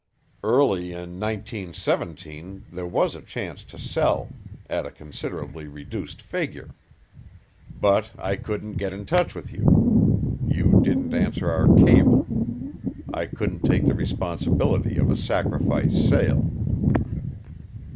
Early in 1917 there was a chance to sell, at a considerably reduced figure. But I couldn't get in touch with you. You didn't answer our cable. I couldn't take the responsibility of a sacrifice sale."